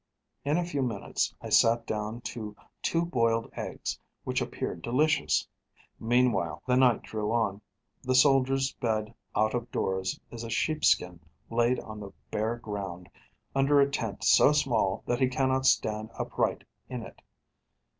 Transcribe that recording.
In a few minutes, I sat down to two boiled eggs, which appeared delicious. Meanwhile, the night drew on. The soldier's bed out of doors is a sheepskin laid on the bare ground, under a tent so small that he cannot stand upright in it.